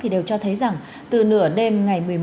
đều cho thấy rằng từ nửa đêm ngày một mươi một